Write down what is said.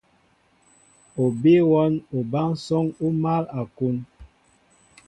O bíy wɔ́n obánsɔ́ŋ ó mál a kún.